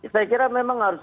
saya kira memang harus